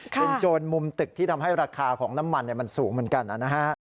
เป็นโจรมุมตึกที่ทำให้ราคาของน้ำมันมันสูงเหมือนกันนะฮะ